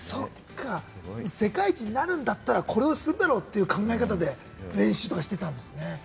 そっか、世界一になるんだったら、これをするだろうという考え方で練習とかしてたんですね。